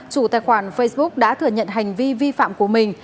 chủ tài khoản facebook đã thừa nhận hành vi vi phạm của mình